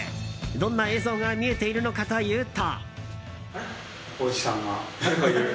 どんな映像が見えているのかというと。